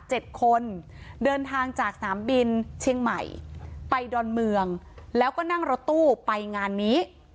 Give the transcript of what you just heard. คนเดินทางจากสนามบินเชียงใหม่ไปดอนเมืองแล้วก็นั่งรถตู้ไปงานนี้